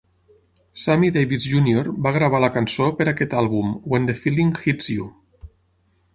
Sammy Davis Junior va gravar la cançó per aquest àlbum When the Feeling Hits You!